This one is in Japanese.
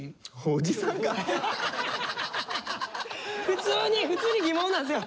普通に普通に疑問なんすよ。